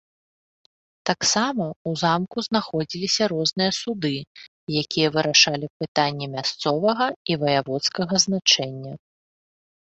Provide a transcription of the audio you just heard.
Таксама ў замку знаходзіліся розныя суды, якія вырашалі пытанні мясцовага і ваяводскага значэння.